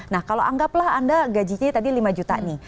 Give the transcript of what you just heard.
nah kalau anggaplah anda gajinya tadi lima juta nih